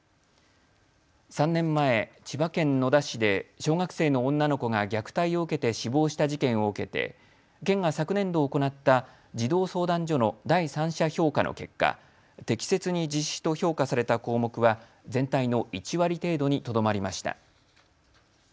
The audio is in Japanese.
３年前、千葉県野田市で小学生の女の子が虐待を受けて死亡した事件を受けて県が昨年度行った児童相談所の第三者評価の結果、適切に実施と評価された項目は全体の１割程度にとどまりました。